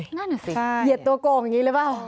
นั่นสิเหยียดตัวกล่องอย่างนี้เลยเปล่า